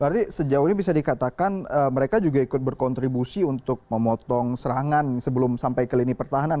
berarti sejauh ini bisa dikatakan mereka juga ikut berkontribusi untuk memotong serangan sebelum sampai ke lini pertahanan